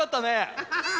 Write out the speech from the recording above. アハハッ！